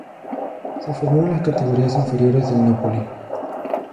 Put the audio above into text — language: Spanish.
Se formó en las categorías inferiores del Napoli.